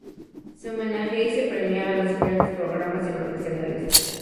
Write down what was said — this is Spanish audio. Se homenajea y se premia a los diferentes programas y profesionales.